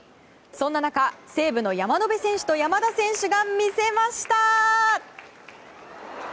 そんな中、西武の山野辺選手と山田選手が見せました！